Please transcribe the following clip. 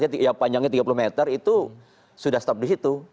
ya panjangnya tiga puluh meter itu sudah stop di situ